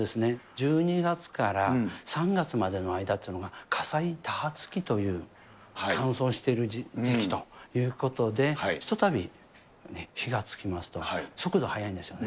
１２月から３月までの間っていうのが、火災多発期という、乾燥している時期ということで、ひとたび火がつきますと、速度速いんですよね。